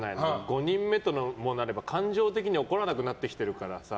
５人目ともなれば感情的に怒らなくなってきてるからさ。